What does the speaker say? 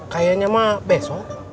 kayaknya mah besok